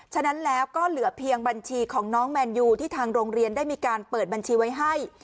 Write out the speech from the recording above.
ฉะนั้นแล้วก็เหลือเพียงบัญชีของน้องแมนยูที่ทางโรงเรียนได้มีการเปิดบัญชีไว้ให้